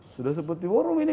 sudah seperti war room ini